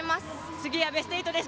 次はベスト８です。